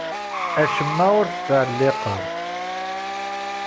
Acemma ur t-ttɛelliqeɣ.